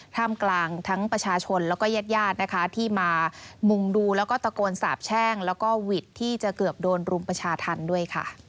ท่ามกลางทั้งประชาชนและเย็ดญาติที่มามุงดูและตะโกนสาบแช่งและวิทย์ที่จะเกือบโดนรุมประชาธรรมด้วย